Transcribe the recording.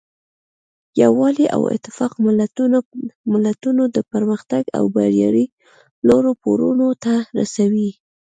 یووالی او اتفاق ملتونه د پرمختګ او بریا لوړو پوړونو ته رسوي.